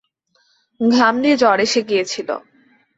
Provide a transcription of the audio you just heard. ঘাম দিয়ে জ্বর এসে গিয়েছিল।